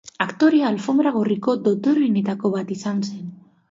Aktorea alfonbra gorriko dotoreenetako bat izan zen.